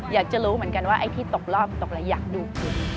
อยากจะรู้เหมือนกันว่าไอ้ที่ตกรอบตกอะไรอยากดูคุณ